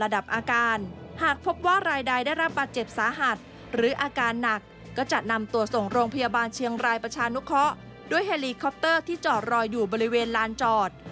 ด้วยเฮลีคอปเตอร์ที่จอดรอยอยู่บริเวณลานจอด